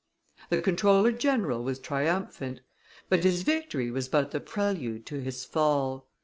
The comptroller general was triumphant; but his victory was but the prelude to his fall.